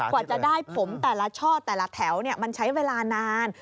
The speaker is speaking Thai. กว่าจะได้ผมแต่ละช่อแต่ละแถวมันใช้เวลานาน